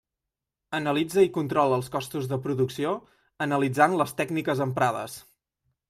Analitza i controla els costos de producció analitzant les tècniques emprades.